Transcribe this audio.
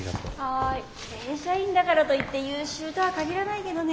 正社員だからといって優秀とは限らないけどね。